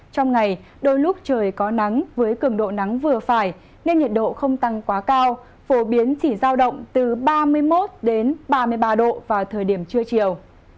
trong ngày đôi lúc trời có nắng với cường độ nắng vừa phải nên nhiệt độ không tăng quá cao phổ biến chỉ giao động từ ba mươi một ba mươi ba độ vào thời điểm trưa chiều